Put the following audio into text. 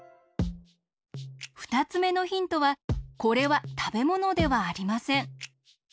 ふたつめのヒントはこれはたべものではありません。